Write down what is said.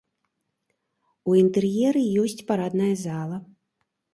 У інтэр'еры ёсць парадная зала.